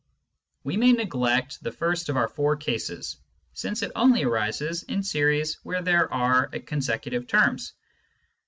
We may neglect the first of our four cases, since it only arises in series where there are consecutive terms.